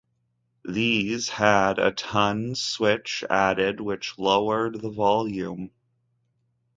These had a Tone switch added which lowered the volume.